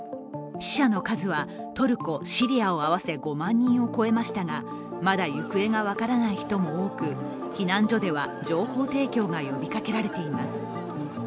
死者の数は、トルコ・シリアを合わせ５万人を超えましたがまだ行方が分からない人も多く、避難所では情報提供が呼びかけられています。